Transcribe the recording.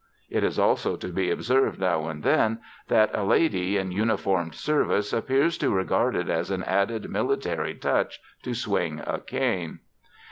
It is also to be observed now and then that a lady in uniformed service appears to regard it as an added military touch to swing a cane.